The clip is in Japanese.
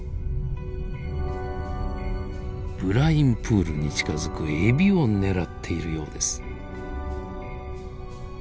ブラインプールに近づくエビを狙っているようです。